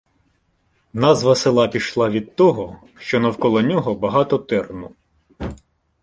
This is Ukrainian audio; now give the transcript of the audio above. Назва села пішла від того, що навколо нього багато терну.